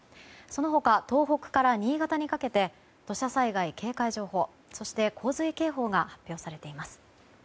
その他、東北から新潟にかけて土砂災害警戒情報そして、洪水警報が発表されています。